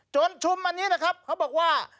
ชุมอันนี้นะครับเขาบอกว่า